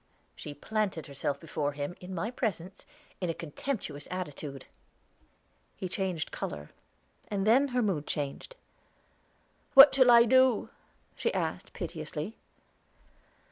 She planted herself before him, in my presence, in a contemptuous attitude. He changed color, and then her mood changed. "What shall I do?" she asked piteously.